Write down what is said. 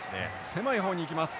狭い方に行きます。